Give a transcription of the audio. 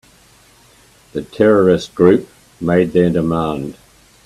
The terrorist group made their demand.